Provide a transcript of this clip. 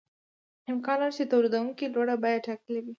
امکان لري چې تولیدونکي لوړه بیه ټاکلې وي